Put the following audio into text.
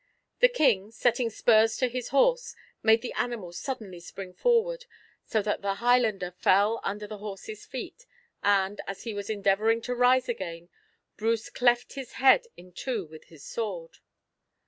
The King, setting spurs to his horse, made the animal suddenly spring forward, so that the Highlander fell under the horse's feet, and, as he was endeavouring to rise again, Bruce cleft his head in two with his sword.